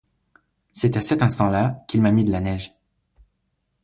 C'est à cet instant-là qu'il m'a mis de la neige.